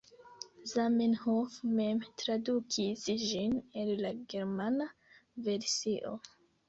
Zamenhof mem tradukis ĝin el la germana versio.